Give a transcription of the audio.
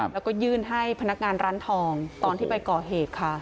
แล้วก็ยื่นให้พนักงานร้านทองตอนที่ไปก่อเหตุค่ะ